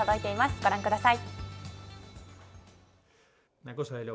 ご覧ください。